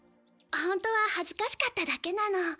ホントは恥ずかしかっただけなの。